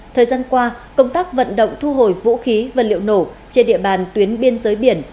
thời gian qua công tác vận động thu hồi vũ khí vật liệu nổ trên địa bàn tuyến biên giới biển